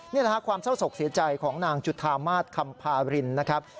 นี่คือความเศร้าสกเสียใจของนางจุธามาสคัมภาวิรินนะครับ